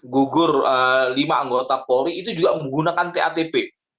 gugur lima anggota polri itu juga menggunakan tatp